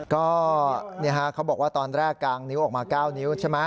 ตอนแรกเขาบอกว่ากลางนิ้วออกมา๙นิ้ว